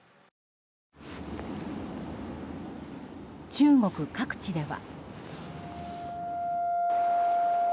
中国各地では。